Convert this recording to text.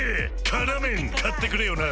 「辛麺」買ってくれよな！